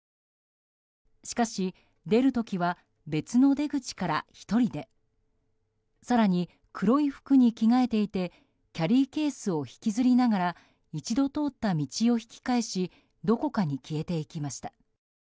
しかし、出る時は別の出口から１人で更に、黒い服に着替えていてキャリーケースを引きずりながら一度通った道を引き返しどこかに消えていきました。